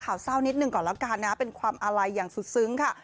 ข่าวเศร้านิดหนึ่งก่อนแล้วกันนะเป็นความอาลัยอย่างสุดซึ้งค่ะ